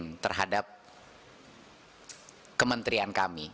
mirroring terhadap kementerian kami